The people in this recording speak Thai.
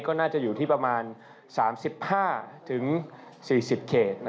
ก็น่าจะอยู่ที่ประมาณ๓๕๔๐เขต